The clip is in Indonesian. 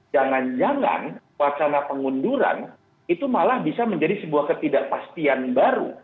jangan jangan wacana pengunduran itu malah bisa menjadi sebuah ketidakpastian baru